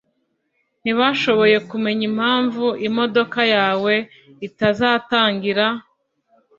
Ntibashoboye kumenya impamvu imodoka yawe itazatangira.